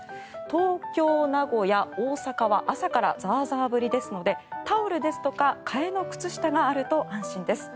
東京、名古屋、大阪は朝からザーザー降りですのでタオルや替えの靴下があると安心です。